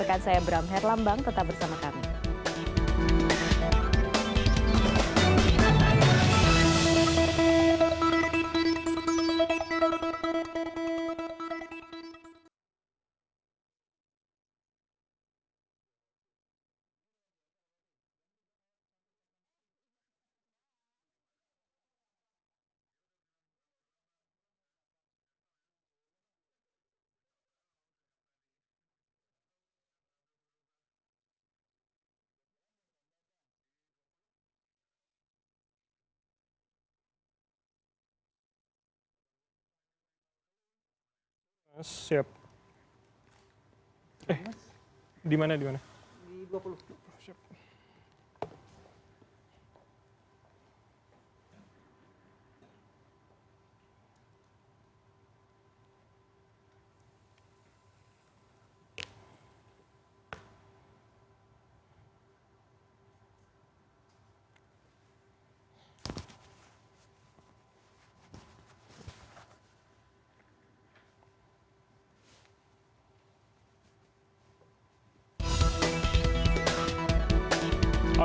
eh di mana di mana